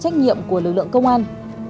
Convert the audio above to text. trách nhiệm của lực lượng công an